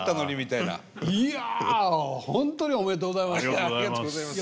いや本当におめでとうございます。